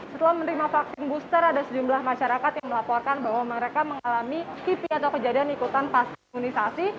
setelah menerima vaksin booster ada sejumlah masyarakat yang melaporkan bahwa mereka mengalami kipi atau kejadian ikutan pas imunisasi